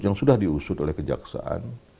yang sudah diusut oleh kejaksaan